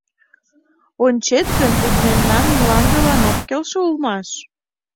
Ончет гын, тудо мемнан мландылан ок келше улмаш.